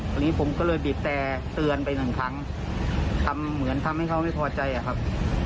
วันนี้ผมก็เลยบีบแต่เตือนไปหนึ่งครั้งทำเหมือนทำให้เขาไม่พอใจอะครับ